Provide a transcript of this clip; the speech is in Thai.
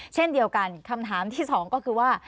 เช่นเดียวกันคำถามที่สองก็คือว่า